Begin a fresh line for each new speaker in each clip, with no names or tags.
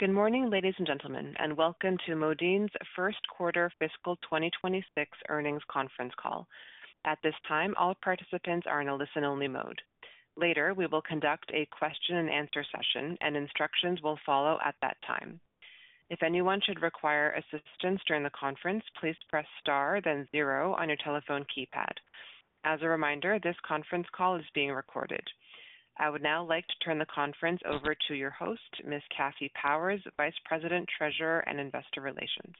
Good morning ladies and gentlemen and welcome to Modine's first quarter fiscal 2026 earnings conference call. At this time, all participants are in a listen only mode. Later, we will conduct a question and answer session and instructions will follow at that time. If anyone should require assistance during the conference, please press star then zero on your telephone keypad. As a reminder, this conference call is being recorded. I would now like to turn the conference over to your host, Ms. Kathy Powers, Vice President, Treasurer and Investor Relations.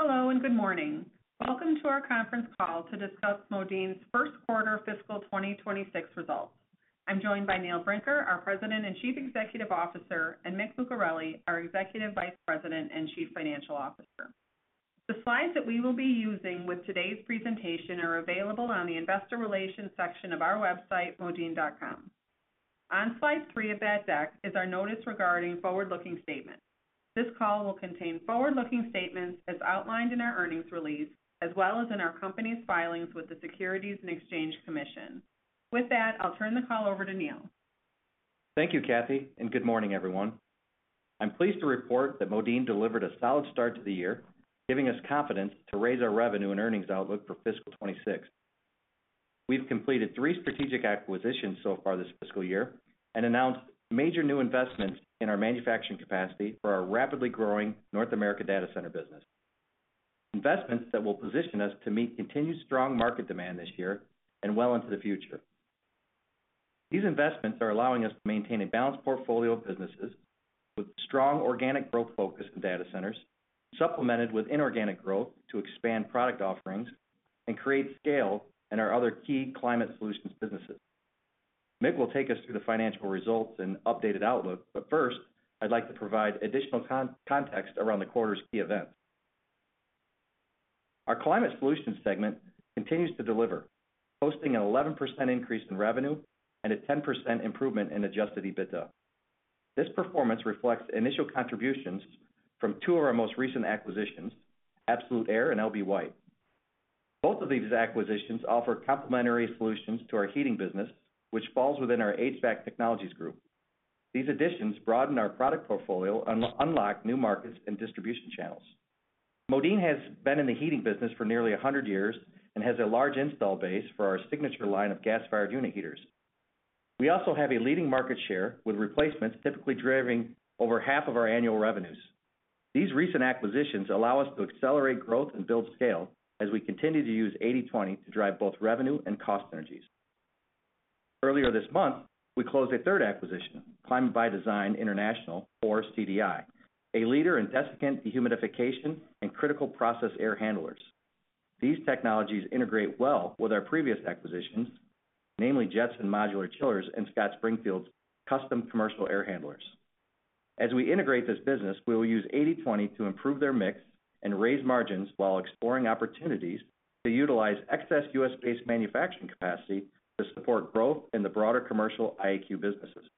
Hello and good morning. Welcome to our conference call to discuss Modine's first quarter fiscal 2026 results. I'm joined by Neil Brinker, our President and Chief Executive Officer, and Mick Lucareli, our Executive Vice President and Chief Financial Officer. The slides that we will be using with today's presentation are available on the Investor Relations section of our website, modine.com. On slide three of that deck is our notice regarding forward looking statements. This call will contain forward looking statements as outlined in our earnings release as well as in our company's filings with the Securities and Exchange Commission. With that, I'll turn the call over to Neil.
Thank you Kathy and good morning everyone. I'm pleased to report that Modine delivered a solid start to the year, giving us confidence to raise our revenue and earnings outlook for fiscal 2026. We've completed three strategic acquisitions so far this fiscal year and announced major new investments in our manufacturing capacity for our rapidly growing North America data center business, investments that will position us to meet continued strong market demand this year and well into the future. These investments are allowing us to maintain a balanced portfolio of businesses with strong organic growth focus in data centers supplemented with inorganic growth to expand product offerings and create scale in our other key Climate Solutions businesses. Mick will take us through the financial results and updated outlook, but first I'd like to provide additional context around the quarter's key events. Our Climate Solutions segment continues to deliver, posting an 11% increase in revenue and a 10% improvement in Adjusted EBITDA. This performance reflects initial contributions from two of our most recent acquisitions, Absolute Air and L.B. White. Both of these acquisitions offer complementary solutions to our heating business, which falls within our HVAC Technologies group. These additions broaden our product portfolio and unlock new markets and distribution channels. Modine has been in the heating business for nearly 100 years and has a large install base for our signature line of gas-fired unit heaters. We also have a leading market share with replacements typically driving over half of our annual revenues. These recent acquisitions allow us to accelerate growth and build scale as we continue to use 80/20 to drive both revenue and cost synergies. Earlier this month we closed a third acquisition, Climate by Design International or CDI, a leader in desiccant dehumidification and critical process air handlers. These technologies integrate well with our previous acquisitions, namely Jetson Modular chillers and Scott Springfield's custom commercial air handlers. As we integrate this business, we will use 80/20 to improve their mix and raise margins while exploring opportunities to utilize excess U.S.-based manufacturing capacity to support growth in the broader commercial IAQ businesses.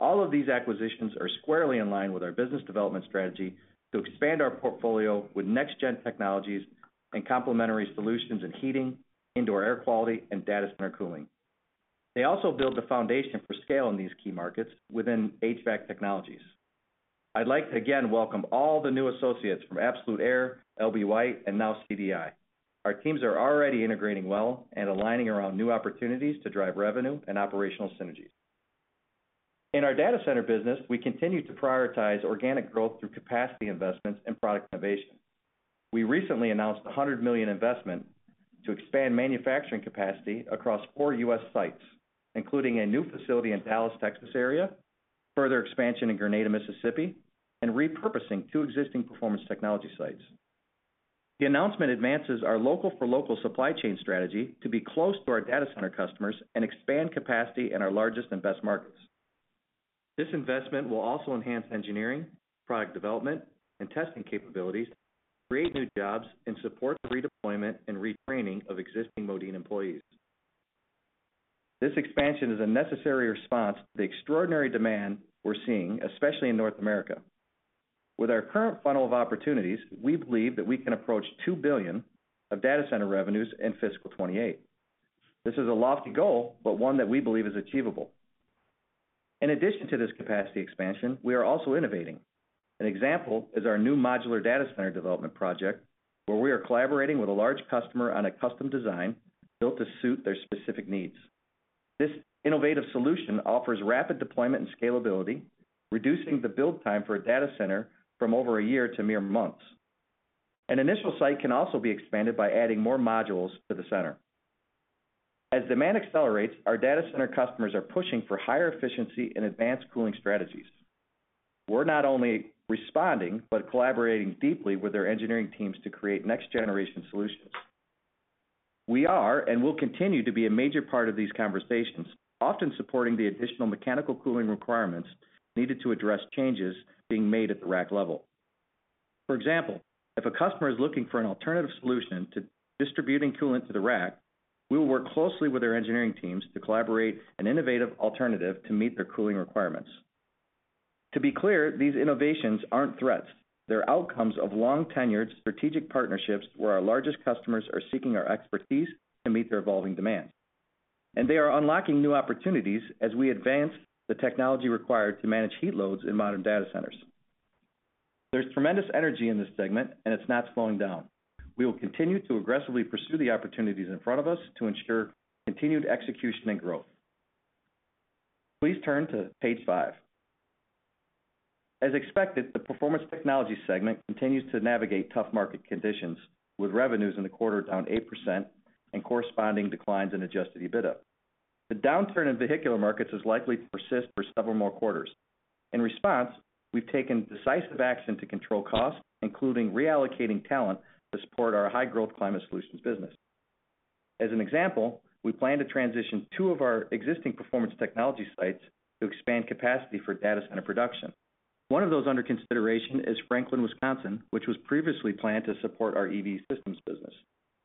All of these acquisitions are squarely in line with our business development strategy to expand our portfolio with next gen technologies and complementary solutions in heating, indoor air quality, and data center cooling. They also build the foundation for scale in these key markets within HVAC Technologies. I'd like to again welcome all the new associates from Absolute Air, L.B. White, and now Climate by Design International. Our teams are already integrating well and aligning around new opportunities to drive revenue and operational synergies in our data center business. We continue to prioritize organic growth through capacity investments and product innovation. We recently announced a $100 million investment to expand manufacturing capacity across four U.S. sites, including a new facility in the Dallas, Texas area, further expansion in Grenada, Mississippi, and repurposing two existing Performance Technologies sites. The announcement advances our local for local supply chain strategy to be close to our data center customers and expand capacity in our largest and best markets. This investment will also enhance engineering, product development, and testing capabilities, create new jobs, and support the redeployment and retraining of existing Modine employees. This expansion is a necessary response to the extraordinary demand we're seeing, especially in North America. With our current funnel of opportunities, we believe that we can approach $2 billion of data center revenues in fiscal 2028. This is a lofty goal, but one that we believe is achievable. In addition to this capacity expansion, we are also innovating. An example is our new Modular Data Center development project where we are collaborating with a large customer on a custom design built to suit their specific needs. This innovative solution offers rapid deployment and scalability, reducing the build time for a data center from over a year to mere months. An initial site can also be expanded by adding more modules to the center. As demand accelerates, our data center customers are pushing for higher efficiency and advanced cooling strategies. We're not only responding, but collaborating deeply with their engineering teams to create next generation solutions. We are and will continue to be a major part of these conversations, often supporting the additional mechanical cooling requirements needed to address changes being made at the rack level. For example, if a customer is looking for an alternative solution to distributing coolant to the rack, we will work closely with their engineering teams to collaborate an innovative alternative to meet their cooling requirements. To be clear, these innovations aren't threats, they're outcomes of long tenured strategic partnerships where our largest customers are seeking our expertise to meet their evolving demands and they are unlocking new opportunities as we advance the technology required to manage heat loads in modern data centers. There's tremendous energy in this segment and it's not slowing down. We will continue to aggressively pursue the opportunities in front of us to ensure continued execution and growth. Please turn to page five. As expected, the Performance Technologies segment continues to navigate tough market conditions. With revenues in the quarter down 8% and corresponding declines in Adjusted EBITDA, the downturn in vehicular markets is likely to persist for several more quarters. In response, we've taken decisive action to control costs, including reallocating talent to support our high growth Climate Solutions business. As an example, we plan to transition two of our existing Performance Technologies sites to expand capacity for data center production. One of those under consideration is Franklin, Wisconsin, which was previously planned to support our EV systems business.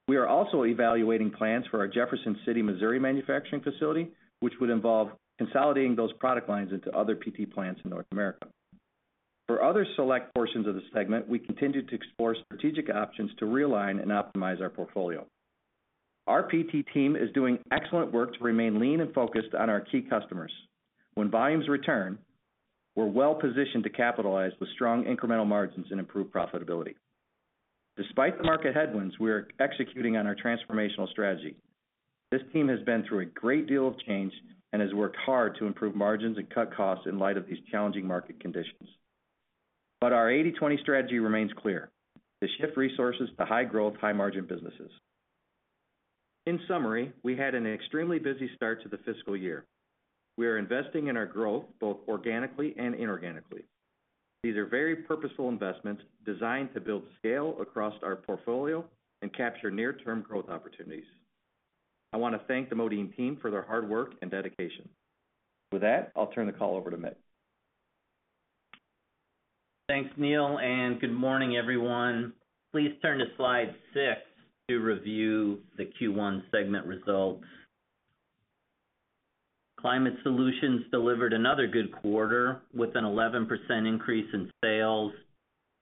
We are also evaluating plans for our Jefferson City, Missouri manufacturing facility, which would involve consolidating those product lines into other PT plants in North America. For other select portions of the segment, we continue to explore strategic options to realign and optimize our portfolio. Our PT team is doing excellent work to remain lean and focused on our key customers when volumes return. We're well positioned to capitalize with strong incremental margins and improved profitability despite the market headwinds. We are executing on our transformational strategy. This team has been through a great deal of change and has worked hard to improve margins and cut costs in light of these challenging market conditions. Our 80/20 Strategy remains clear to shift resources to high growth, high margin businesses. In summary, we had an extremely busy start to the fiscal year. We are investing in our growth both organically and inorganically. These are very purposeful investments designed to build scale across our portfolio and capture near term growth opportunities. I want to thank the Modine team for their hard work and dedication. With that, I'll turn the call over to Mick.
Thanks Neil and good morning everyone. Please turn to Slide six to review the Q1 segment results. Climate Solutions delivered another good quarter with an 11% increase in sales,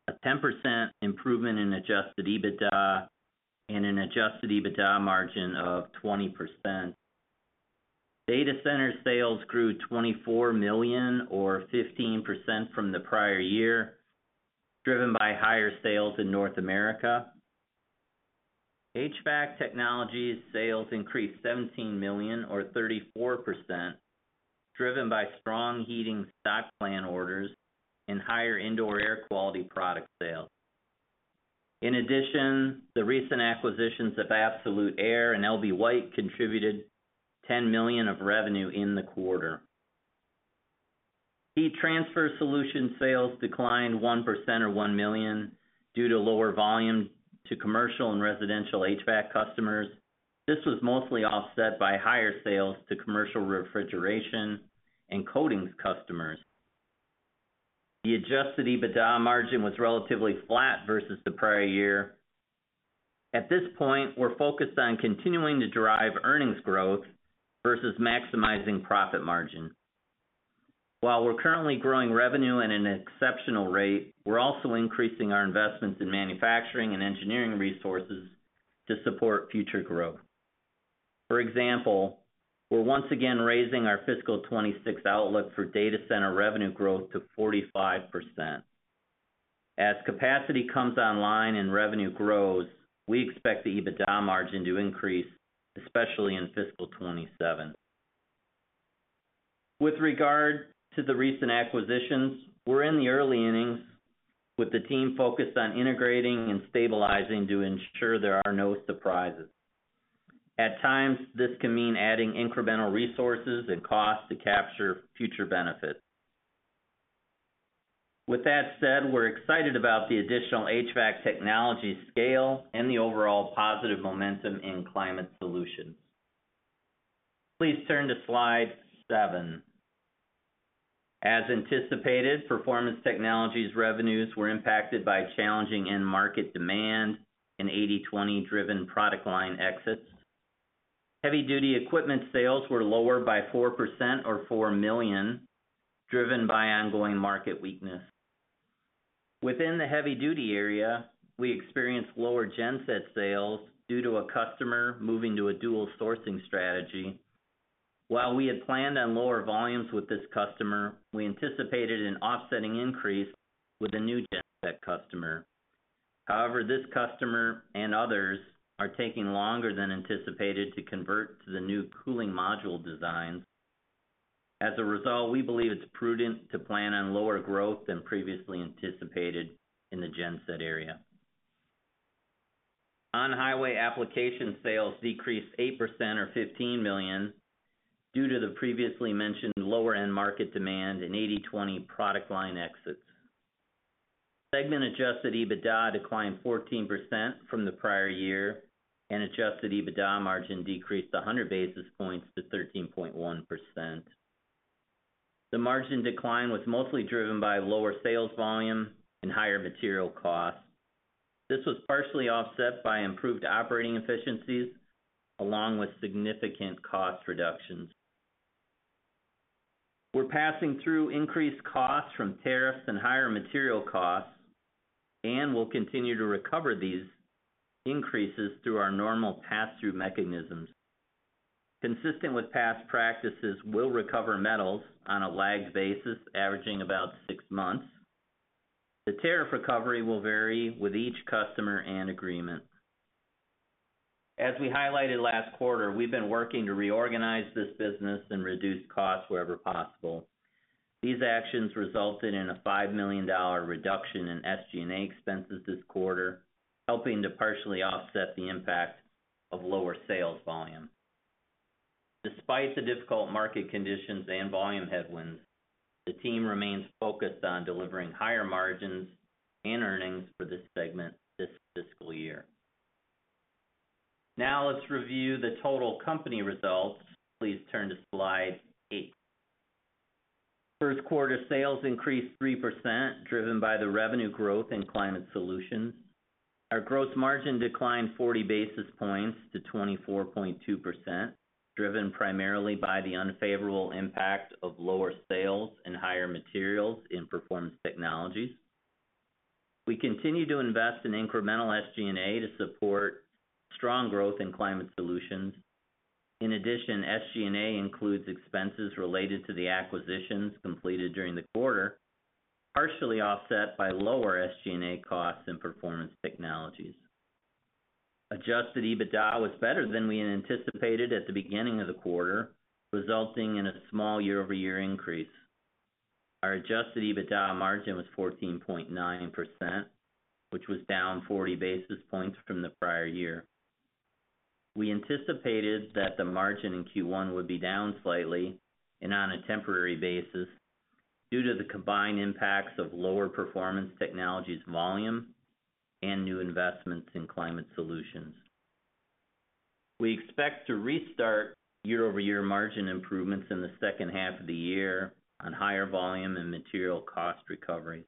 a 10% improvement in Adjusted EBITDA, and an Adjusted EBITDA margin of 20%. Data center sales grew $24 million or 15% from the prior year, driven by higher sales. In North America, HVAC technology sales increased $17 million or 34%, driven by strong heating stock plan orders and higher indoor air quality product sales. In addition, the recent acquisitions of Absolute Air and L.B. White contributed $10 million of revenue in the quarter. Heat Transfer Solutions sales declined 1% or $1 million due to lower volume to commercial and residential HVAC customers. This was mostly offset by higher sales to commercial refrigeration coatings customers. The Adjusted EBITDA margin was relatively flat versus the prior year. At this point, we're focused on continuing to drive earnings growth versus maximizing profit margin. While we're currently growing revenue at an exceptional rate, we're also increasing our investments in manufacturing and engineering resources to support future growth. For example, we're once again raising our fiscal 2026 outlook for data center revenue growth to 45%. As capacity comes online and revenue grows, we expect the EBITDA margin to increase, especially in fiscal 2027. With regard to the recent acquisitions, we're in the early innings with the team focused on integrating and stabilizing to ensure there are no surprises. At times, this can mean adding incremental resources and cost to capture future benefits. With that said, we're excited about the additional HVAC technology scale and the overall positive momentum in Climate Solutions. Please turn to Slide seven. As anticipated, Performance Technologies revenues were impacted by challenging end market demand and 80/20 driven product line exits. Heavy duty equipment sales were lower by 4% or $4 million, driven by ongoing market weakness. Within the heavy duty area, we experienced lower Genset sales due to a customer moving to a dual sourcing strategy. While we had planned on lower volumes with this customer, we anticipated an offsetting increase with a new Genset customer. However, this customer and others are taking longer than anticipated to convert to the new cooling module designs. As a result, we believe it's prudent to plan on lower growth than previously anticipated. In the Genset area. On Highway Application, sales decreased 8% or $15 million due to the previously mentioned lower end market demand and 80/20 product line exits. Segment Adjusted EBITDA declined 14% from the prior year and Adjusted EBITDA margin decreased 100 basis points to 13.1%. The margin decline was mostly driven by lower sales volume and higher material costs. This was partially offset by improved operating efficiencies along with significant cost reductions. We're passing through increased costs from tariffs and higher material costs and we'll continue to recover these increases through our normal pass through mechanisms consistent with past practices. We'll recover metals on a lagged basis averaging about six months. The tariff recovery will vary with each customer and agreement. As we highlighted last quarter, we've been working to reorganize this business and reduce costs wherever possible. These actions resulted in a $5 million reduction in SG&A expenses this quarter, helping to partially offset the impact of lower sales volume. Despite the difficult market conditions and volume headwinds, the team remains focused on delivering higher margins and earnings for this segment this fiscal year. Now let's review the total company results. Please turn to Slide 8. First quarter sales increased 3% driven by the revenue growth in Climate Solutions. Our gross margin declined 40 basis points to 24.2%, driven primarily by the unfavorable impact of lower sales and higher materials in Performance Technologies. We continue to invest in incremental SG&A to support strong growth in Climate Solutions. In addition, SG&A includes expenses related to the acquisitions completed during the quarter, partially offset by lower SG&A costs in Performance Technologies. Adjusted EBITDA was better than we anticipated at the beginning of the quarter, resulting in a small year over year increase. Our Adjusted EBITDA margin was 14.9% which was down 40 basis points from the prior year. We anticipated that the margin in Q1 would be down slightly and on a temporary basis due to the combined impacts of lower Performance Technologies volume and new investments in Climate Solutions. We expect to restart year over year margin improvements in the second half of the year on higher volume and material cost recovery.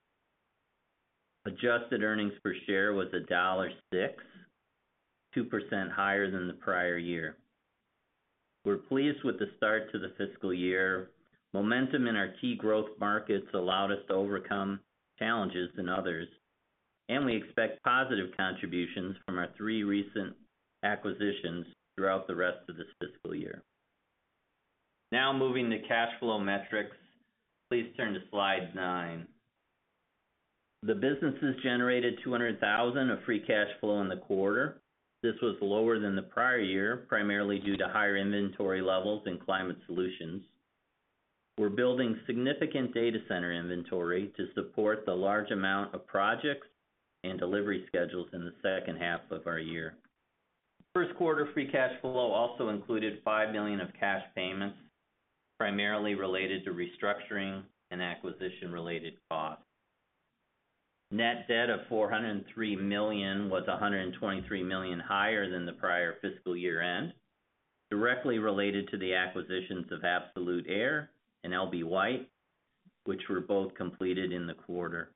Adjusted earnings per share was $1.06, 2% higher than the prior year. We're pleased with the start to the fiscal year. Momentum in our key growth markets allowed us to overcome challenges in others, and we expect positive contributions from our three recent acquisitions throughout the rest of this fiscal year. Now moving to cash flow metrics, please turn to Slide nine. The businesses generated $200,000 of Free Cash Flow in the quarter. This was lower than the prior year primarily due to higher inventory levels in Climate Solutions. We're building significant data center inventory to support the large amount of projects and delivery schedules in the second half of our year. First quarter Free Cash Flow also included $5 million of cash payments primarily related to restructuring and acquisition-related costs. Net debt of $403 million was $123 million higher than the prior fiscal year end, directly related to the acquisitions of Absolute Air and L.B. White, which were both completed in the quarter.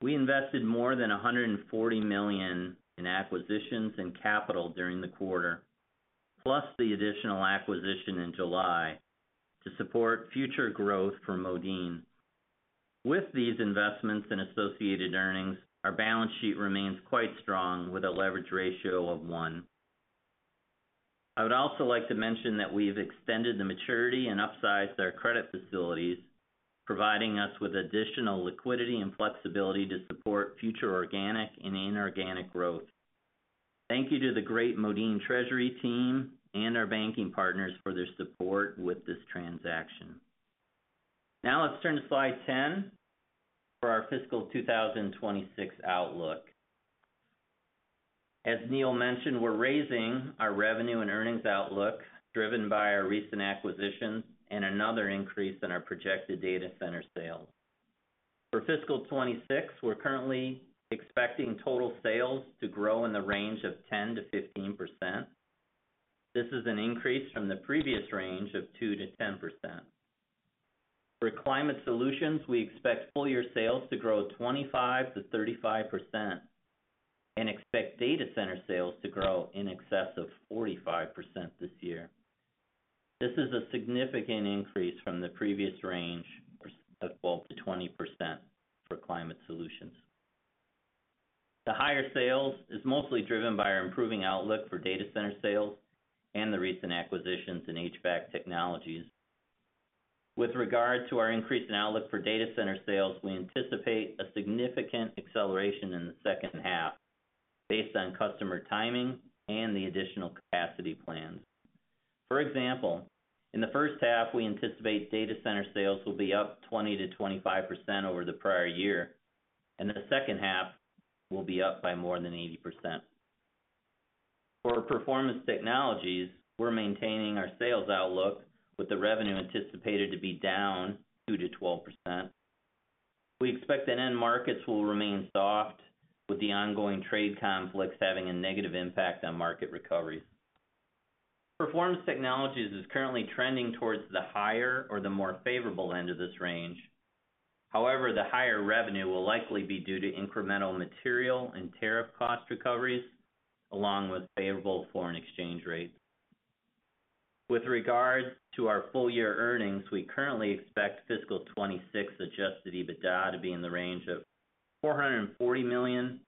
We invested more than $140 million in acquisitions and capital during the quarter, plus the additional acquisition in July to support future growth for Modine. With these investments and associated earnings, our balance sheet remains quite strong with a leverage ratio of one. I would also like to mention that we have extended the maturity and upsized our credit facilities, providing us with additional liquidity and flexibility to support future organic and inorganic growth. Thank you to the great Modine treasury team and our banking partners for their support with this transaction. Now let's turn to Slide 10 for our fiscal 2026 outlook. As Neil mentioned, we're raising our revenue and earnings outlook driven by our recent acquisitions and another increase in our projected data center sales. For fiscal 2026, we're currently expecting total sales to grow in the range of 10% to 15%. This is an increase from the previous range of 2% to 10%. For Climate Solutions, we expect full year sales to grow 25% to 35% and expect data center sales to grow in excess of 45% this year. This is a significant increase from the previous range of 12% to 20%. For Climate Solutions, the higher sales is mostly driven by our improving outlook for data center sales and the recent acquisitions in HVAC Technologies. With regard to our increase in outlook for data center sales, we anticipate a significant acceleration in the second half based on customer timing and the additional capacity plans. For example, in the first half we anticipate data center sales will be up 20% to 25% over the prior year and the second half will be up by more than 80%. For Performance Technologies, we're maintaining our sales outlook with the revenue anticipated to be down 2% to 12%. We expect that end markets will remain soft with the ongoing trade conflicts having a negative impact on market recoveries. Performance Technologies is currently trending towards the higher or the more favorable end of this range. However, the higher revenue will likely be due to incremental material and tariff cost recoveries along with favorable foreign exchange rates. With regard to our full year earnings, we currently expect fiscal 2026 Adjusted EBITDA to be in the range of $440 million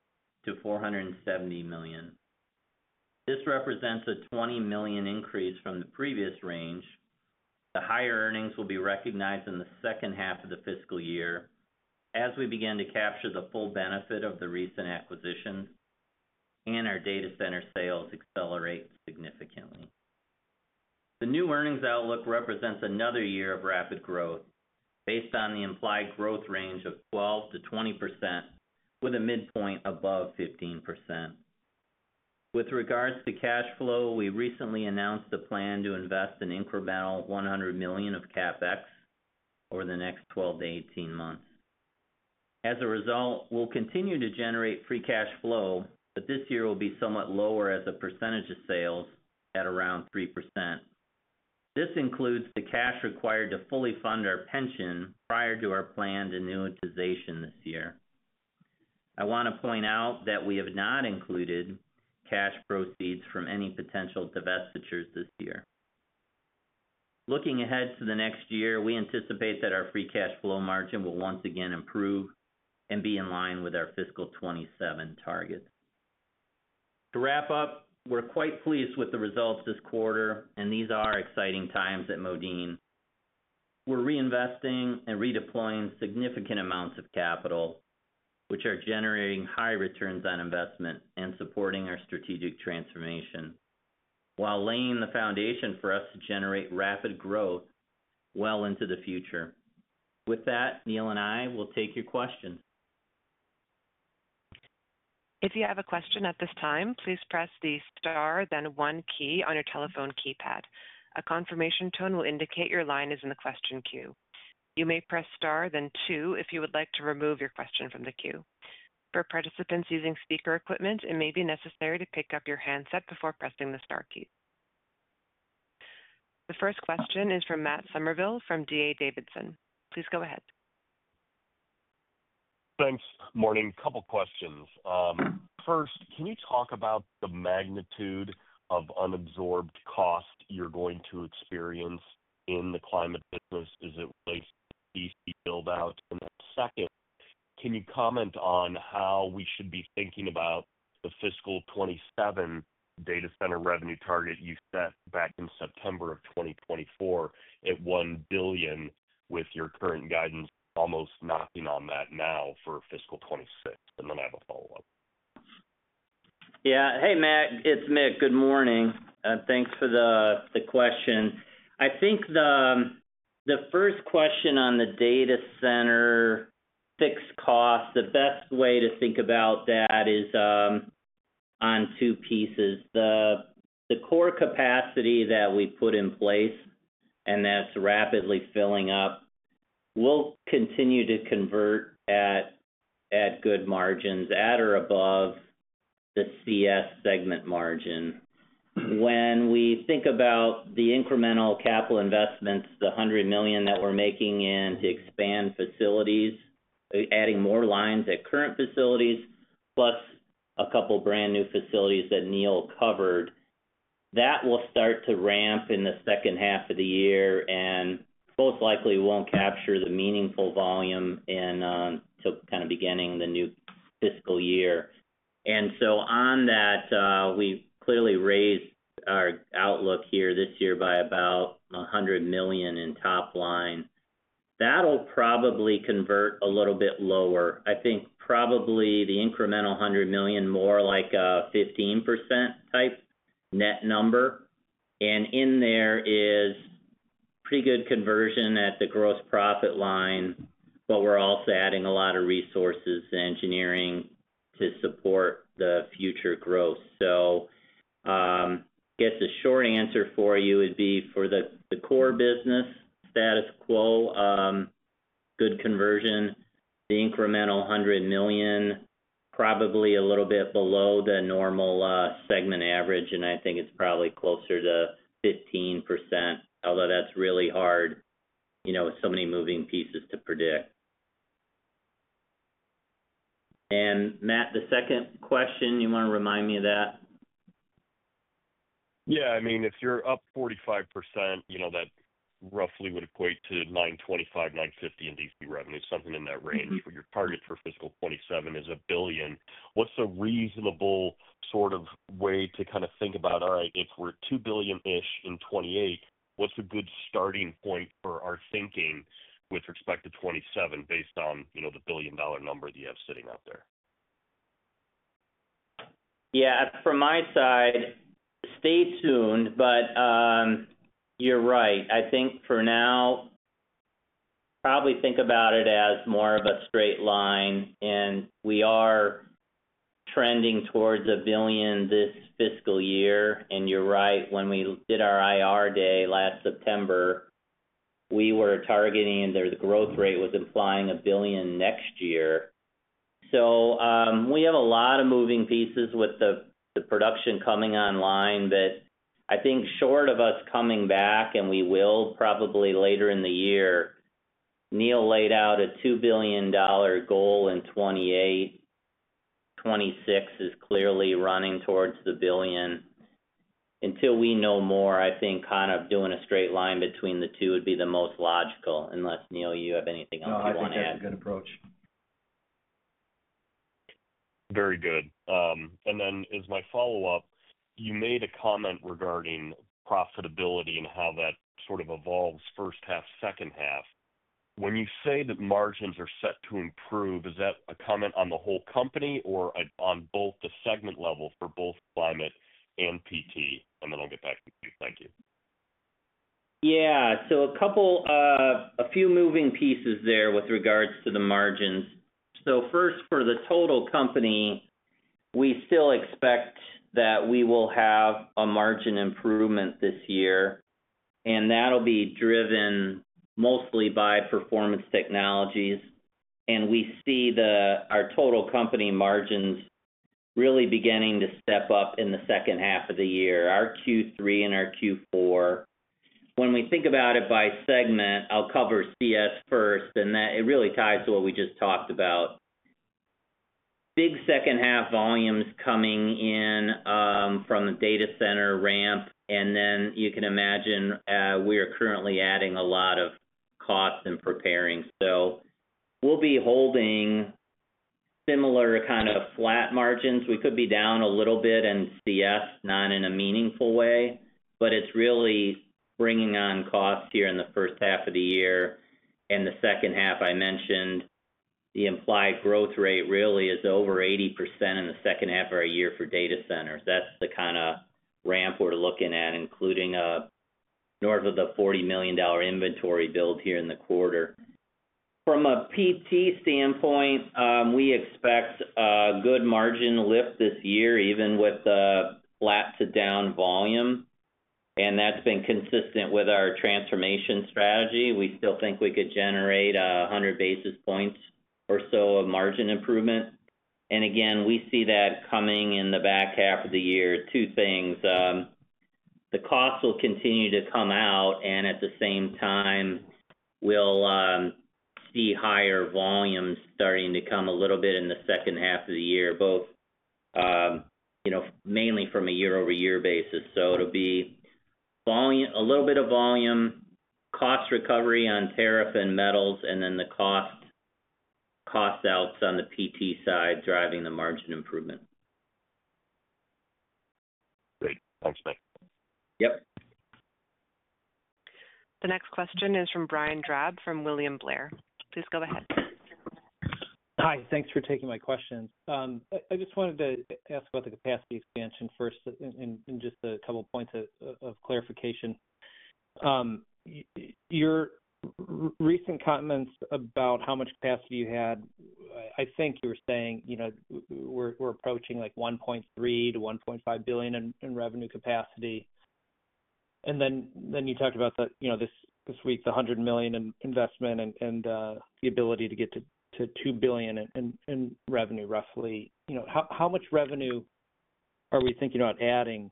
to $470 million. This represents a $20 million increase from the previous range. The higher earnings will be recognized in the second half of the fiscal year as we begin to capture the full benefit of the recent acquisitions and our data center sales accelerate significantly. The new earnings outlook represents another year of rapid growth based on the implied growth range of 12% to 20% with a midpoint above 15%. With regards to cash flow, we recently announced a plan to invest an incremental $100 million of CapEx over the next 12 to 18 months. As a result, we'll continue to generate Free Cash Flow, but this year will be somewhat lower as a percentage of sales at around 3%. This includes the cash required to fully fund our pension prior to our planned annuitization this year. I want to point out that we have not included cash proceeds from any potential divestitures this year. Looking ahead to the next year, we anticipate that our Free Cash Flow margin will once again improve and be in line with our fiscal 2027 target. To wrap up, we're quite pleased with the results this quarter and these are exciting times at Modine. We're reinvesting and redeploying significant amounts of capital which are generating high returns on investment and supporting our strategic transformation while laying the foundation for us to generate rapid growth well into the future. With that, Neil and I will take your questions.
If you have a question at this time, please press the star then one key on your telephone keypad. A confirmation tone will indicate your line is in the question queue. You may press star then two if you would like to remove your question from the queue. For participants using speaker equipment, it may be necessary to pick up your handset before pressing the star key. The first question is from Matt Summerville from D.A. Davidson. Please go ahead.
Thanks. Morning. Couple questions. First, can you talk about the magnitude of unabsorbed cost you're going to experience in the Climate business? Is it build out? Second, can you comment on how we should be thinking about the fiscal 2027 data center revenue target you set back in September 2024 at $1 billion with your current guidance almost knocking on that now for fiscal 2026? I have a follow up.
Yeah, hey Matt, it's Mick. Good morning. Thanks for the question. I think the first question on the data center fixed cost, the best way to think about that is on two pieces: the core capacity that we put in place, and that's rapidly filling up. We'll continue to convert at good margins at or above the Climate Solutions segment margin. When we think about the incremental capital investments, the $100 million that we're making to expand facilities, adding more lines at current facilities, plus a couple brand new facilities that Neil covered that will start to ramp in the second half of the year and most likely won't capture the meaningful volume kind of beginning the new fiscal year, and on that we clearly raised our outlook here this year by about $100 million in top line. That'll probably convert a little bit lower. I think probably the incremental $100 million more like 15% type net number, and in there is pretty good conversion at the gross profit line. We're also adding a lot of resources, engineering to support the future growth. I guess a short answer for you would be for the core business status quo, good conversion, the incremental $100 million, probably a little bit below the normal segment average. I think it's probably closer to 15%, although that's really hard, you know, so many moving pieces to predict. Matt, the second question, you want to remind me of that? Yeah.
I mean if you're up 45%, you know, that roughly would equate to $925 million, $950 million in data center revenue. Something in that range where your target for fiscal 2027 is $1 billion. What's a reason sort of way to kind of think about, all right, if we're $2 billion-ish in 2028, what's a good starting point for our thinking with respect to 2027 based on the $1 billion number that you have sitting out there?
Yeah, from my side, stay tuned. You're right, I think for now probably think about it as more of a straight line. We are trending towards $1 billion this fiscal year. You're right, when we did our IR day last September, we were targeting the growth rate was implying $1 billion next year. We have a lot of moving pieces with the production coming online. I think short of us coming back, and we will probably later in the year, Neil laid out a $2 billion goal in 2028. 2026 is clearly running towards the billion. Until we know more, I think kind of doing a straight line between the two would be the most logical. Unless, Neil, you have anything else you want to add?
No, I think that's a good approach.
Very good. As my follow up, you made a comment regarding profitability and how that sort of evolves. First half, second half. When you say that margins are set to improve, is that a comment on the whole company or on both the segment level for both Climate Solutions and Performance Technologies? I'll get back to you. Thank you.
Yeah, a couple of moving pieces there with regards to the margins. First, for the total company, we still expect that we will have a margin improvement this year and that'll be driven mostly by Performance Technologies. We see our total company margins really beginning to step up in the second half of the year, our Q3 and our Q4. When we think about it by segment, I'll cover Climate Solutions first and that really ties to what we just talked about. Big second half volumes coming in from the data center ramp. You can imagine we are currently adding a lot of costs in preparing, so we'll be holding similar kind of flat margins. We could be down a little bit in Climate Solutions, not in a meaningful way, but it's really bringing on costs here in the first half of the year. In the second half I mentioned, the implied growth rate really is over 80% in the second half of our year for data centers. That's the kind of ramp we're looking at, including north of the $40 million inventory build here in the quarter. From a Performance Technologies standpoint, we expect good margin lift this year even with flat to down volume, and that's been consistent with our transformation strategy. We still think we could generate 100 basis points or so of margin improvement. Again, we see that coming in the back half of the year. Two things: the cost will continue to come out and at the same time we'll see higher volumes starting to come a little bit in the second half of the year, both mainly from a year-over-year basis. It'll be a little bit of volume cost recovery on tariff and metals and then the cost outs on the Performance Technologies side driving the margin improvement.
Great. Thanks, Mick. Yep.
The next question is from Brian Drab from William Blair. Please go ahead.
Hi. Thanks for taking my question. I just wanted to ask about the capacity expansion first and just a couple points of clarification. Your recent comments about how much capacity you had. I think you were saying, you know, we're approaching like $1.3 to $1.5 billion in revenue capacity. You talked about, you know, this week the $100 million investment and the ability to get to $2 billion in revenue roughly, you know, how much revenue are we thinking about adding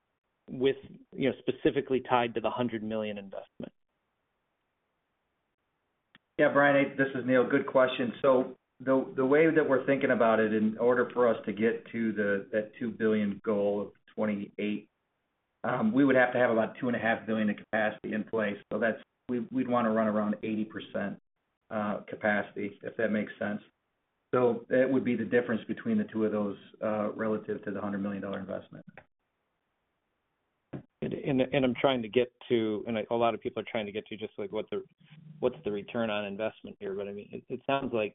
with, you know, specifically tied to the $100 million investment?
Yeah, Brian, this is Neil, good question. The way that we're thinking about it, in order for us to get to the $2 billion goal of 2028, we would have to have about $2.5 billion of capacity in place. We'd want to run around 80% capacity if that makes sense. That would be the difference between the two of those relative to the $100 million investment.
I'm trying to get to, and a lot of people are trying to get to just like what the, what's the return on investment here? I mean it sounds like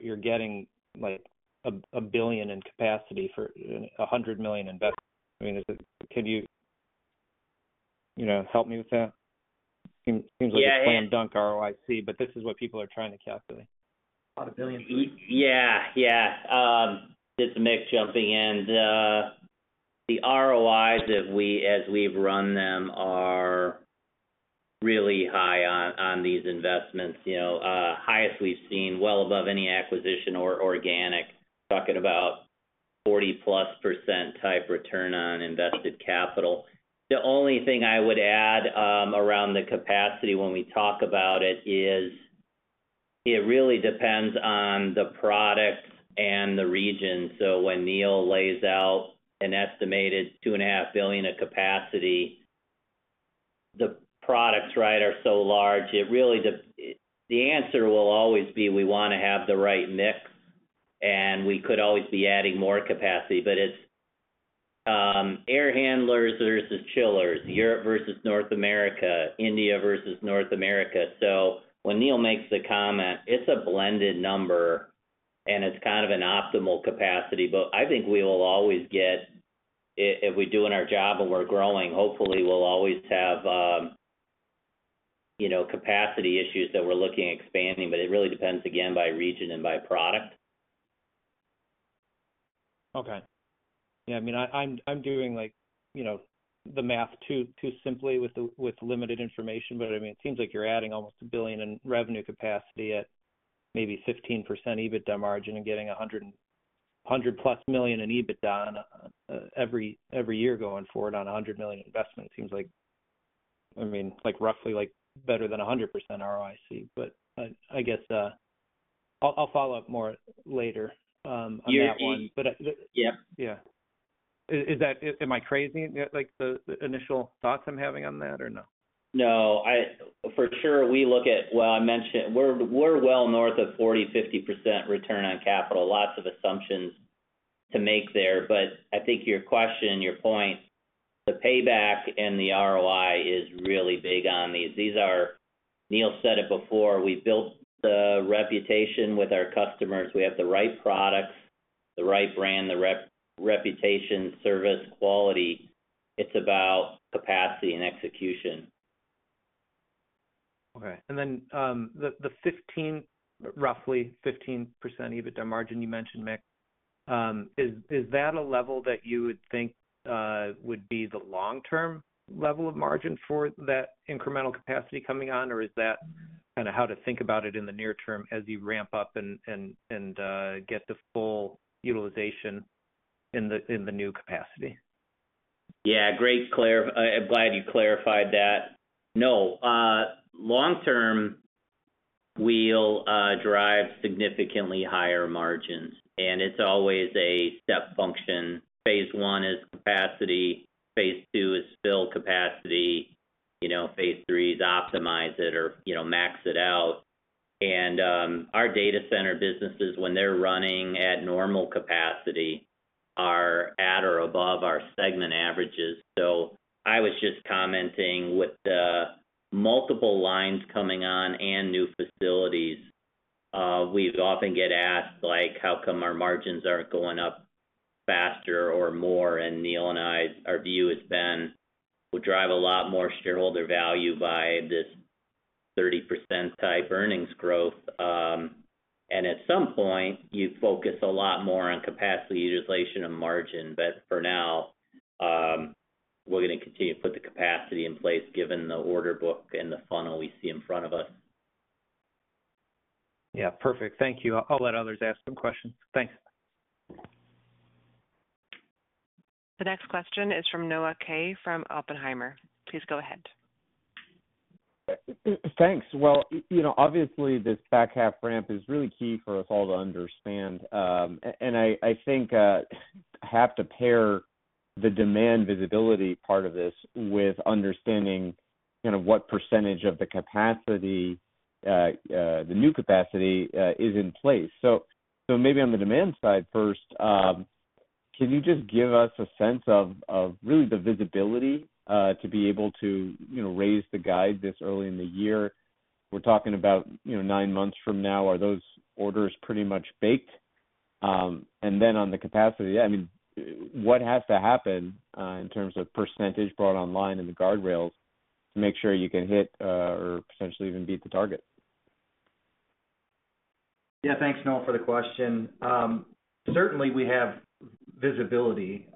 you're getting like a billion in capacity for $100 million investment. I mean, can you, you know, help me with that? Seems like a slam dunk ROIC, but this is what people are trying to calculate. A billion.
Yeah, yeah. It's Mick jumping in. The ROICs as we've run them are really high on these investments, highest we've seen, well above any acquisition or organic. Talking about 40+% type return on invested capital. The only thing I would add around the capacity when we talk about it is it really depends on the product and the region. When Neil lays out an estimated $2.5 billion of capacity, the products, right, are so large it really, the answer will always be we want to have the right mix and we could always be adding more capacity. It's air handlers versus chillers, Europe versus North America, India versus North America. When Neil makes the comment, it's a blended number and it's kind of an optimal capacity. I think we will always get, if we're doing our job and we're growing, hopefully we'll always have capacity issues that we're looking at expanding. It really depends again by region and by product.
Okay, yeah, I mean I'm doing like the math too simply with limited information, but I mean it seems like you're adding almost $1 billion in revenue capacity at maybe 15% EBITDA margin and getting $100 million and hundred plus million in EBITDA every year going forward on $100 million investment. Seems like, I mean like roughly like better than 100% ROIC. I guess I'll follow up more later. Yeah, is that, am I crazy like the initial thoughts I'm. Having on that.
No, for sure. I mentioned we're well north of 40%, 50% return on capital. Lots of assumptions to make there. I think your question, your point, the payback and the ROI is really big on these. Neil said it before. We built the reputation with our customers. We have the right products, the right brand, the reputation, service quality. It's about capacity and execution.
Okay, and then the roughly 15% EBITDA margin you mentioned, Mick, is that a level that you would think would be the long term level of margin for that incremental capacity coming on, or is that kind of how to think about it in the near term as you ramp up and get the full utilization in the new capacity?
Yeah, great, Claire, I'm glad you clarified that. No, long term we'll drive significantly higher margins and it's always a step function. Phase one is capacity, phase two is fill capacity, phase three is optimize it or max it out. Our data center businesses, when they're running at normal capacity, are at or above our segment averages. I was just commenting with multiple lines coming on and new facilities. We often get asked how come our margins aren't going up faster or more. Neil and I, our view has been we'll drive a lot more shareholder value by this 30% type earnings growth. At some point you focus a lot more on capacity utilization and margin. For now, we're going to continue to put the capacity in place given the order book and the funnel we see in front of us.
Yeah, perfect. Thank you. I'll let others ask some questions. Thanks.
The next question is from Noah Kaye from Oppenheimer. Please go ahead.
Thanks. Obviously this back half ramp is really key for us all to understand and I think have to pair the demand visibility part of this with understanding what % of the capacity, the new capacity is in place. Maybe on the demand side first, can you just give us a sense of really the visibility to be able to raise the guide this early in the year? We're talking about nine months from now. Are those orders pretty much baked? On the capacity, what has to happen in terms of % brought online in the guardrails to make sure you can hit or potentially even beat the target?
Yeah. Thanks, Noah, for the question. Certainly we have visibility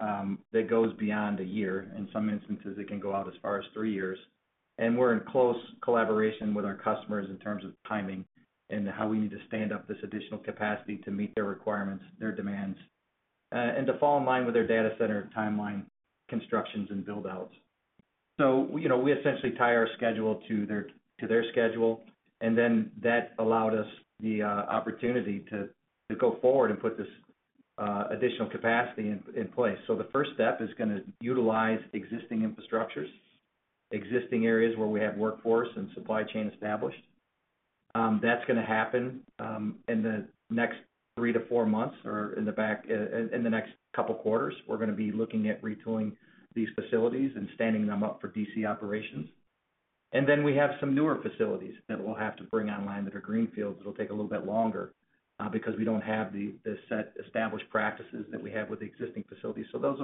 that goes beyond a year. In some instances it can go out as far as three years. We're in close collaboration with our customers in terms of timing and how we need to stand up this additional capacity to meet their requirements, their demands, and to fall in line with their data center timeline constructions and build outs. We essentially tie our schedule to their schedule and that allowed us the opportunity to go forward and put this additional capacity in place. The first step is going to utilize existing infrastructures, existing areas where we have workforce and supply chain established. That's going to happen in the next three to four months or in the next couple quarters. We're going to be looking at retooling these facilities and standing them up for DC operations. We have some newer facilities that we'll have to bring online that are greenfields. It'll take a little bit longer because we don't have the set established practices that we have with the existing facilities. Those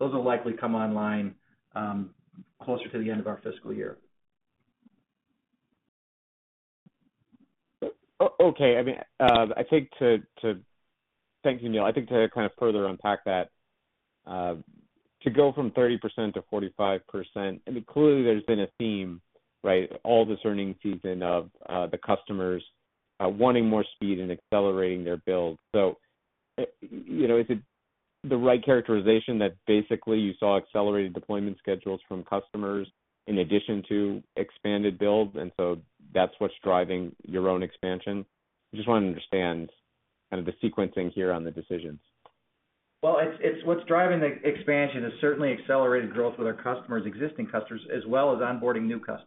will likely come online closer to the end of our fiscal year. I think to thank you, Neil. I think to kind of further unpack that to go from 30% to 45%. Clearly there's been a theme, right, all this earnings season of the customers wanting more speed and accelerating their build. Is it the right characterization that basically you saw accelerated deployment schedules from customers in addition to expanded build, and so that's what's driving your own expansion? I just want to understand kind of the sequencing here on the decisions. What's driving the expansion is certainly accelerated growth with our customers, existing customers, as well as onboarding new customers.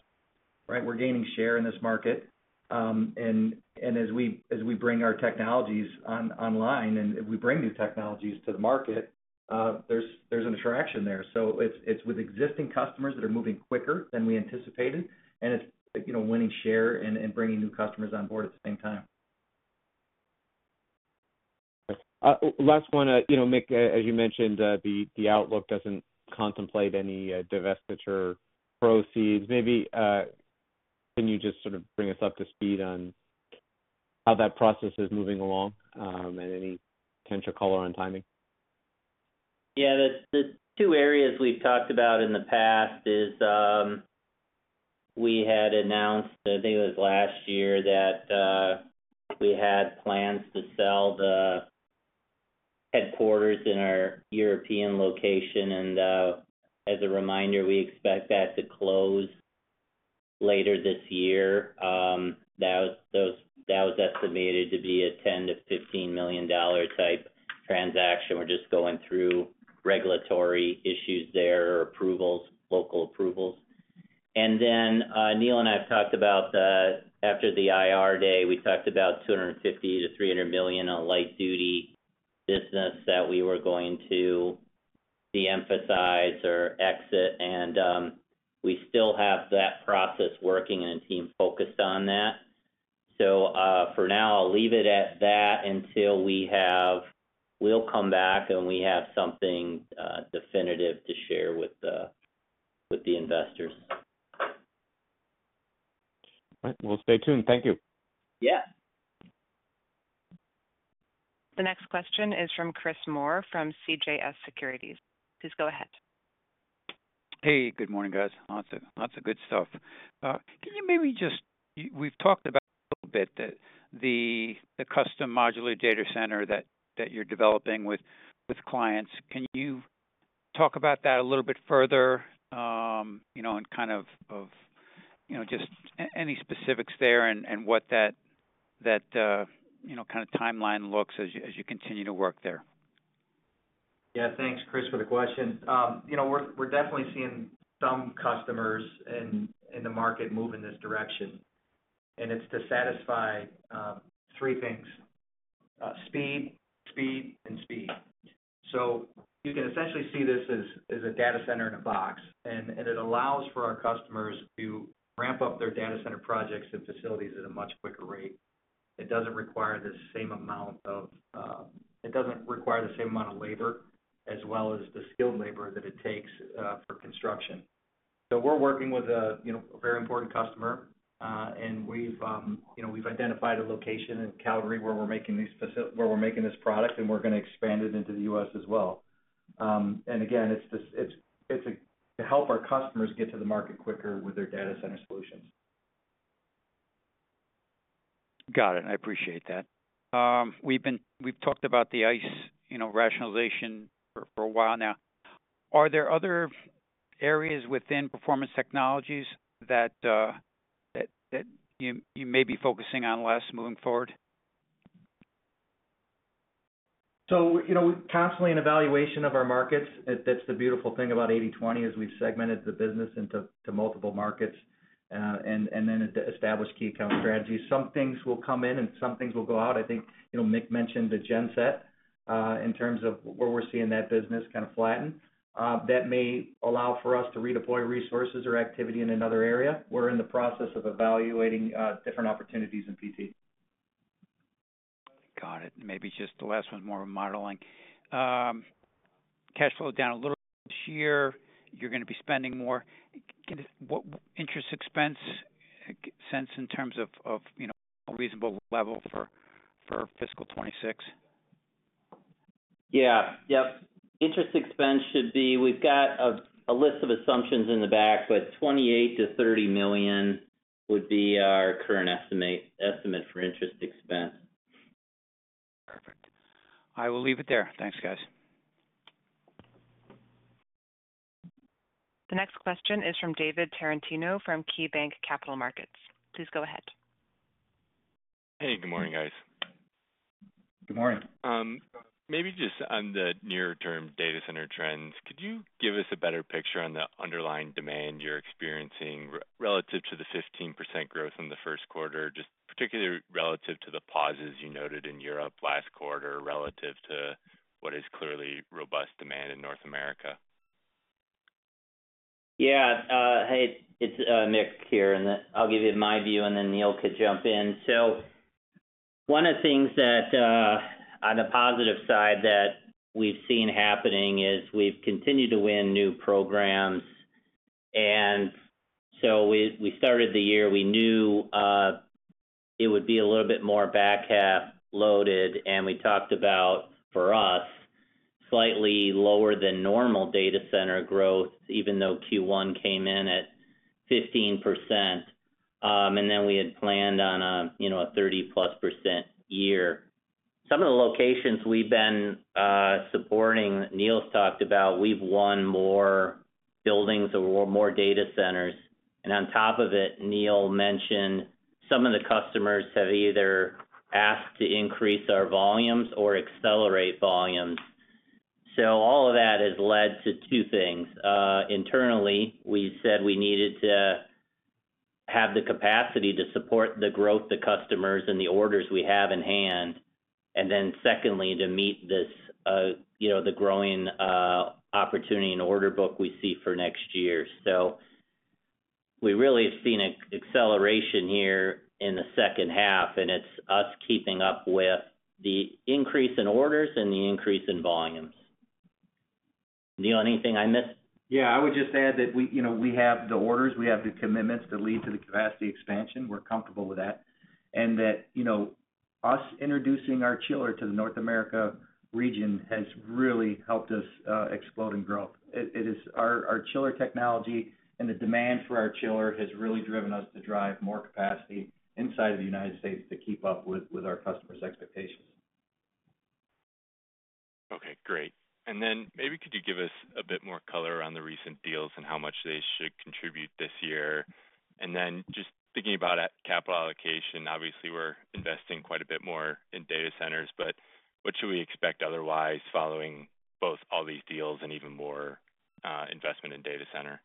We're gaining share in this market. As we bring our technologies online and we bring new technologies to the market, there's an attraction there. It's with existing customers that are moving quicker than we anticipated and it's winning share and bringing new customers on board at the same time.
Last one, Mick, as you mentioned, the outlook doesn't contemplate any divestiture proceeds. Maybe can you just sort of bring us up to speed on how that process is moving along and any potential color on timing?
Yeah. The two areas we've talked about in the past are we had announced, I think it was last year, that we had plans to sell the headquarters in our European location. As a reminder, we expect that to close later this year. That was estimated to be a $10 to $15 million type transaction. We're just going through regulatory issues there, approvals, local approvals. Neil and I have talked about, after the IR day, we talked about $250 to $300 million on light duty business that we were going to deemphasize or exit. We still have that process working and a team focused on that. For now, I'll leave it at that until we have something definitive to share with the investors.
We'll stay tuned. Thank you.
Yeah.
The next question is from Chris Moore from CJS Securities. Please go ahead.
Hey, good morning, guys. Lots of good stuff. Can you maybe just. We've talked about a little bit the custom Modular Data Center that you're developing with clients. Can you talk about that a little bit further, you know, and kind of just any specifics there and what that kind of timeline looks as you continue to work there?
Yeah, thanks, Chris, for the question. We're definitely seeing some customers in the market move in this direction, and it's to satisfy three things: speed, speed, and speed. You can essentially see this as a data center in a box. It allows for our customers to ramp up their data center projects and facilities at a much quicker rate. It doesn't require the same amount of labor as well as the skilled labor that it takes for construction. We're working with a very important customer, and we've identified a location in Calgary where we're making these facilities, where we're making this product, and we're going to expand it into the U.S. as well. It's to help our customers get to the market quicker with their data center solutions.
Got it. I appreciate that we've talked about the ICE rationalization for a while now. Are there other areas within Performance Technologies that you may be focusing on less moving forward?
Constantly in evaluation of our markets. That's the beautiful thing about 80/20 is we've segmented the business into multiple markets and then established key account strategies. Some things will come in and some things will go out. I think Mick mentioned the Genset in terms of where we're seeing that business kind of flatten. That may allow for us to redeploy resources or activity in another area. We're in the process of evaluating different opportunities in PT.
Got it. Maybe just the last one, more modeling cash flow down a little.
This year you're going to be spending more. Interest expense in terms of, you know, a reasonable level for fiscal 2026.
Yeah, yep. Interest expense should be. We've got a list of assumptions in the back, but $28 to $30 million would be our current estimate for interest expense.
Perfect. I will leave it there. Thanks, guys.
The next question is from David Tarantino from KeyBanc Capital Markets. Please go ahead.
Hey, good morning, guys. Good morning. Maybe just on the near term data. Center trends, could you give us a. Better picture on the underlying demand. Experiencing relative to the 15% growth in the first quarter, particularly relative to the. Pauses you noted in Europe last quarter. Relative to what is clearly robust demand in North America?
Yeah, hey, it's Mick here and I'll give you my view and then Neil could jump in. One of the things that on the positive side that we've seen happening is we've continued to win new programs. We started the year, we knew it would be a little bit more back half loaded. We talked about, for us, slightly lower than normal data center growth even though Q1 came in at 15% and then we had planned on a 30+% year. Some of the locations we've been supporting, Neil's talked about we've won more buildings or more data centers. On top of it, Neil mentioned some of the customers have either asked to increase our volumes or accelerate volumes. All of that has led to two things. Internally, we said we needed to have the capacity to support the growth, the customers, and the orders we have in hand. Secondly, to meet this, you know, the growing opportunity and order book we see for next year. We really have seen an acceleration here in the second half and it's us keeping up with the increase in orders and the increase in volumes. Neil, anything I missed?
I would just add that we have the orders, we have the commitments that lead to the capacity expansion. We're comfortable with that. Us introducing our chiller to the North America region has really helped us explode in growth. Our Chiller Technology and the demand for our chiller has really driven us to drive more capacity inside of the United States to keep up with our customers' expectations.
Okay, great. Could you give us a bit more color on the recent. Deals and how much they should contribute this year. Just thinking about capital allocation, obviously we're investing quite a bit more in data centers. What should we expect otherwise following both all these deals and even more investment in data center?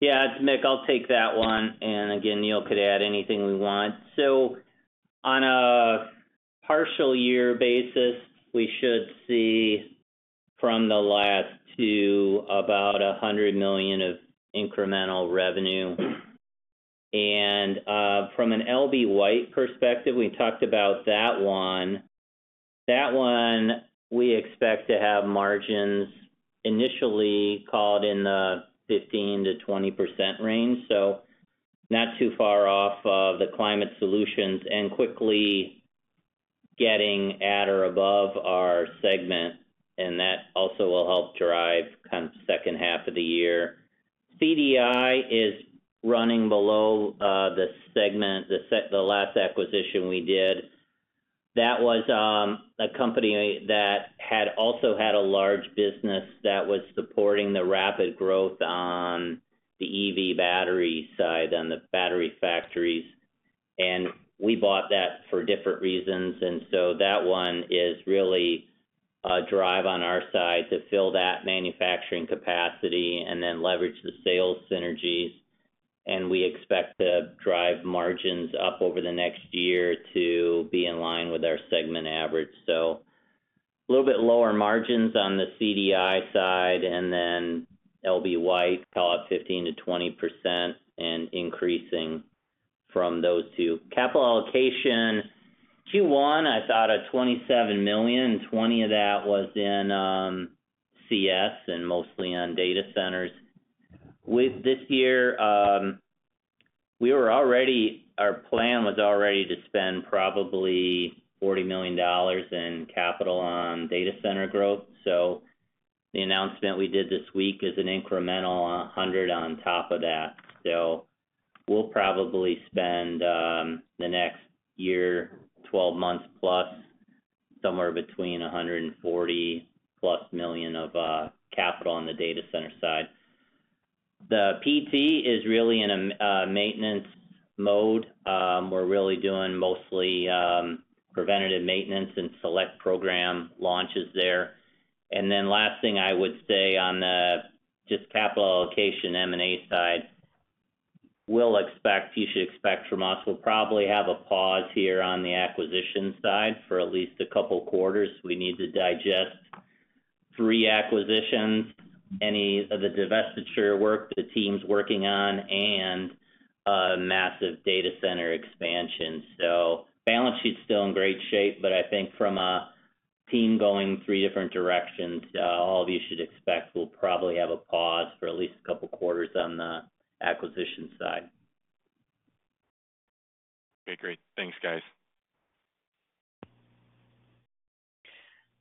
Yeah, it's Mick. I'll take that one. Neil could add anything we want. On a partial year basis, we should see from the last two about $100 million of incremental revenue. From an L.B. White perspective, we talked about that one, we expect to have margins initially called in the 15% to 20% range, so not too far off the Climate Solutions and quickly getting at or above our segment. That also will help drive kind of second half of the year. Climate by Design International is running below the segment. The last acquisition we did, that was a company that also had a large business that was supporting the rapid growth on the EV battery side, on the battery factories. We bought that for different reasons. That one is really a drive on our side to fill that manufacturing capacity and then leverage the sales synergies. We expect to drive margins up over the next year to be in line with our segment average. A little bit lower margins on the Climate by Design International side and then L.B. White, call it 15% to 20% and increasing from those two. Capital allocation Q1, I thought of $27 million, $20 million of that was in Climate Solutions and mostly on data centers. This year, our plan was already to spend probably $40 million in capital on data center growth. The announcement we did this week is an incremental $100 million on top of that. We'll probably spend the next year, 12 months plus, somewhere between $140 million plus of capital on the data center side. The Performance Technologies is really in a maintenance mode. We're really doing mostly preventative maintenance and select program launches there. Last thing I would say on the capital allocation M&A side, you should expect from us, we'll probably have a pause here on the acquisition side for at least a couple quarters. We need to digest three acquisitions, any of the divestiture work the team's working on, and massive data center expansion. Balance sheet's still in great shape, but I think from a team going three different directions, all of you should expect we'll probably have a pause for at least a couple quarters on the acquisition side.
Okay, great. Thanks guys.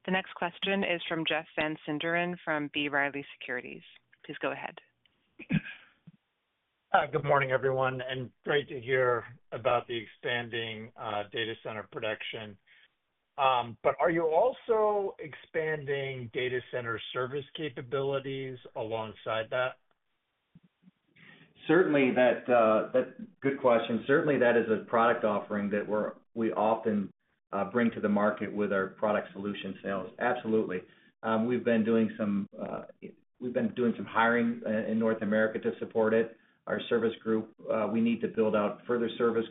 The next question is from Jeff Van Sinderen from B. Riley Securities. Please go ahead.
Good morning everyone, and great to hear about the expanding data center protection. Are you also expanding data center service capabilities alongside that?
Good question. Certainly that is a product offering that we often bring to the market with our product solution sales. Absolutely. We've been doing some hiring in North America to support it. Our service group needs to build out further service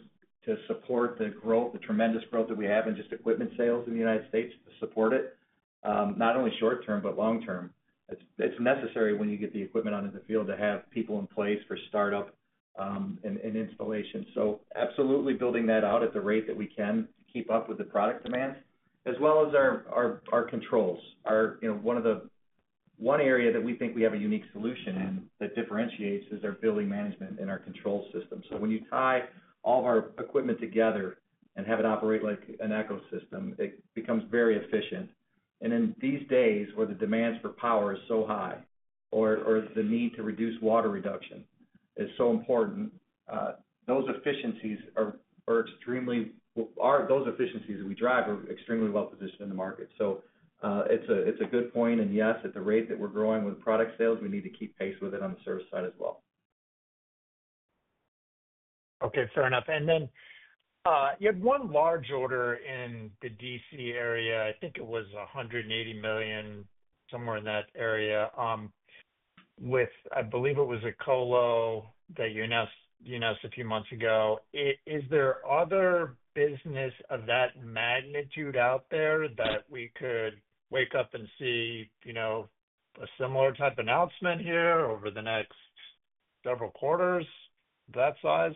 to support the tremendous growth that we have in just equipment sales in the United States, to support it not only short term, but long term. It's necessary when you get the equipment out in the field to have people in place for startup installation. Absolutely building that out at the rate that we can keep up with the product demand as well as our controls. One area that we think we have a unique solution in that differentiates is our building management and our control system. When you tie all of our equipment together and have it operate like an ecosystem, it becomes very efficient. In these days where the demands for power are so high or the need to reduce water reduction is so important, those efficiencies are extremely well positioned in the market. It's a good point. Yes, at the rate that we're growing with product sales, we need to keep pace with it on the service side as well.
Okay, fair enough. You had one large order in the D.C. area. I think it was $180 million, somewhere in that area, with I believe it was a colo that you announced a few months ago. Is there other business of that magnitude out there that we could wake up and see a similar type announcement here over the next several quarters that size?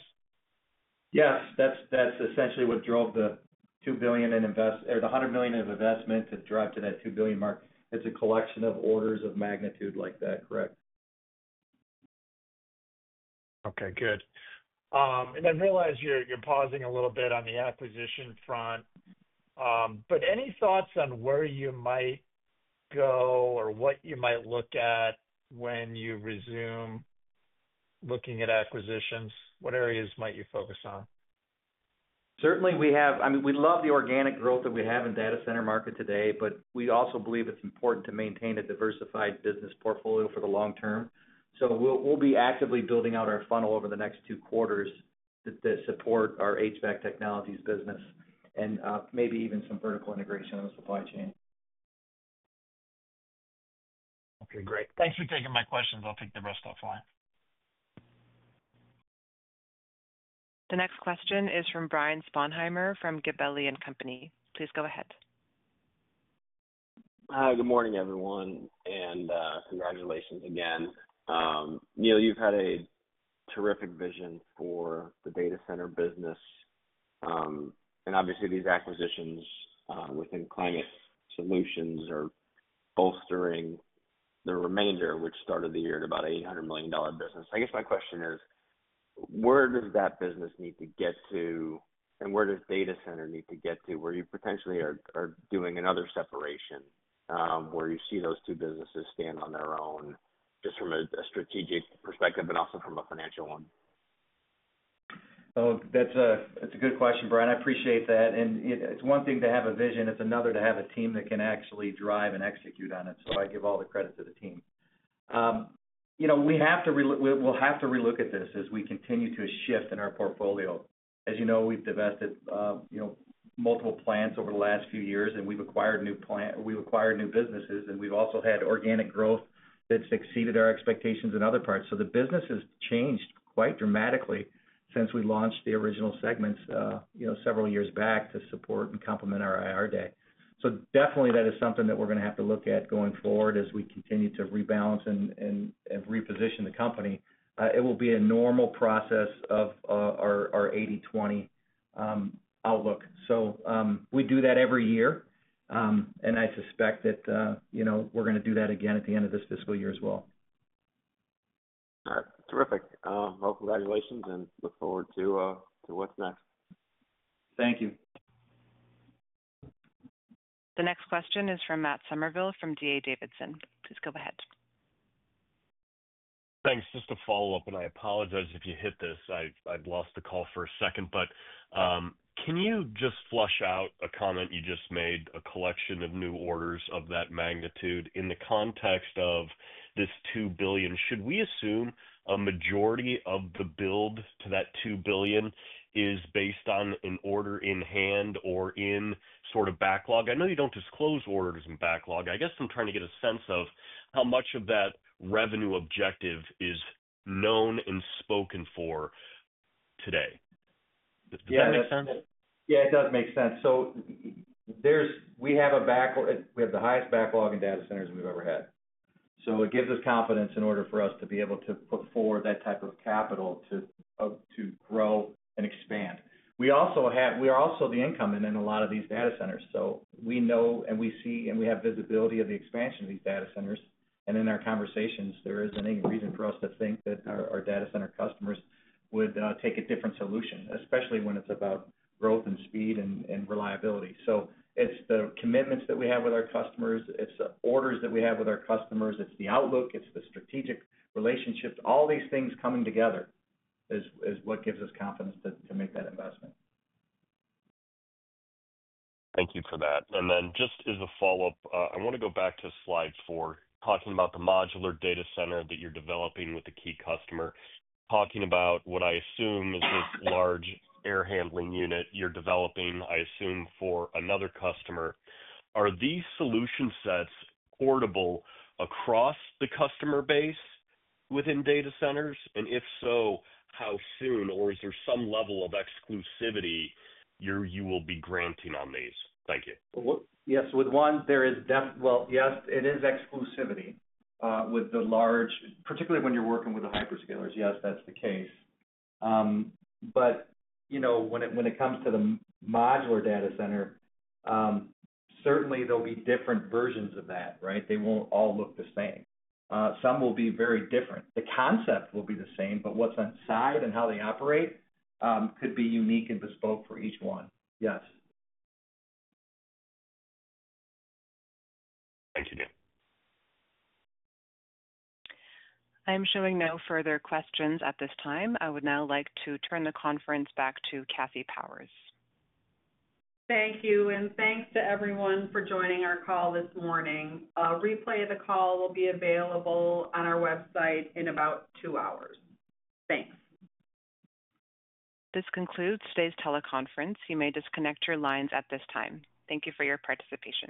Yes, that's essentially what drove the $2 billion in investment or the $100 million of investment to drive to that $2 billion mark. It's a collection of orders of magnitude like that. Correct.
Okay, good. I realize you're pausing a little bit on the acquisition front, but any thoughts on where you might go or what you might look at when you resume looking at acquisitions? What areas might you focus on?
Certainly we have. We love the organic growth that we have in the data center market today, but we also believe it's important to maintain a diversified business portfolio for the long term. We'll be actively building out our funnel over the next two quarters that support our HVAC Technologies business and maybe even some vertical integration in the supply chain.
Okay, great. Thanks for taking my questions. I'll take the rest offline.
The next question is from Brian Drab from Gabelli and Comapny. Please go ahead.
Hi, good morning everyone, and congratulations again, Neil. You've had a terrific vision for the data center business. Obviously, these acquisitions within Climate Solutions are bolstering the remainder, which started the. Year at about an $800 million business. I guess my question is where does that business need to get to and where does data center need to get to? Where you potentially are doing another separation, where you see those two businesses stand on their own just from a strategic perspective and also from a financial one.
That's a good question, Brian. I appreciate that. It's one thing to have a vision, it's another to have a team that can actually drive and execute on it. I give all the credit to the team. We'll have to relook at this as we continue to shift in our portfolio. As you know, we've divested multiple plants over the last few years and we've acquired new businesses and we've also had organic growth that's exceeded our expectations in other parts. The business has changed quite dramatically since we launched the original segments several years back to support and complement our IR day. That is something that we're going to have to look at going forward as we continue to rebalance and reposition the company. It will be a normal process of our 80/20 outlook. We do that every year and I suspect that we're going to do that again at the end of this fiscal year as well.
Terrific. Congratulations and look forward to what's next.
Thank you.
The next question is from Matt Summerville from D.A. Davidson. Please go ahead.
Thanks. Just to follow up, and I apologize if you hit this. I lost the call for a second, but can you just flush out a comment? You just made a collection of new orders of that magnitude in the context of this $2 billion. Should we assume a majority of the build to that $2 billion is based on an order in hand or in sort of backlog? I know you don't disclose orders in backlog. I guess I'm trying to get a sense of how much of that revenue objective is known and spoken for today.
Does that make sense? Yeah, it does make sense. We have a backlog. We have the highest backlog in data centers we've ever had. It gives us confidence in order for us to be able to put forward that type of capital to grow and expand. We are also the incoming in a lot of these data centers. We know and we see and we have visibility of the expansion of these data centers. In our conversations, there isn't any reason for us to think that our data center customers would take a different solution, especially when it's about growth and speed and reliability. It's the commitments that we have with our customers, it's orders that we have with our customers, it's the outlook, it's the strategic relationships. All these things coming together is what gives us confidence to make that investment.
Thank you for that. Just as a follow up, I want to go back to Slide four. Talking about the Modular Data Center that you're developing with the key customer, talking about what I assume is this large air handling unit you're developing, I assume for another customer. Are these solutions sets portable across the. Customer base within data centers and if so, how soon? Is there some level of exclusivity you will be granting on these? Thank you.
Yes, there is. Yes, it is exclusivity with the large, particularly when you're working with the hyperscalers. Yes, that's the case. When it comes to the Modular Data Center, certainly there'll be different versions of that, right? They won't all look the same. Some will be very different, the concept will be the same, but what's inside and how they operate could be unique and bespoke for each one. Yes.
Thank you.
I am showing no further questions at this time. I would now like to turn the conference back to Kathy Powers.
Thank you, and thanks to everyone for joining our call this morning. A replay of the call will be available on our website in about two hours. Thanks.
This concludes today's teleconference. You may disconnect your lines at this time. Thank you for your participation.